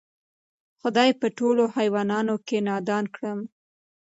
خدای په ټولوحیوانانو کی نادان کړم